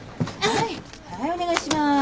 はいお願いします。